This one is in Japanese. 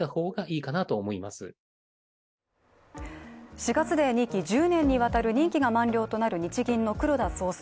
４月で２期１０年にわたる任期が満了になる日銀の黒田総裁。